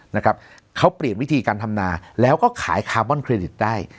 นะครับเขาเปลี่ยนวิธีการทำนาแล้วก็ขายคาร์บอนเครดิตได้